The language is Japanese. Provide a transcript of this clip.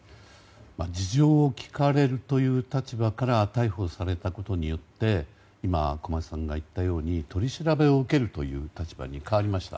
事情を聴かれるという立場から逮捕されたことによって今、小松さんが言ったように取り調べを受けるという立場に変わりました。